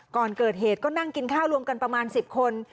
ก่อนเกิดเหตุก็นั่งกินข้าวรวมกันประมาณ๑๐คน